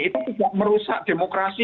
itu merusak demokrasi